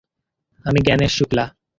আমি গ্যাণেশ শুক্লা।